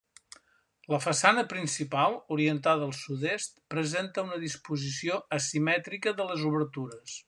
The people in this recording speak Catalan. La façana principal, orientada al sud-est, presenta una disposició asimètrica de les obertures.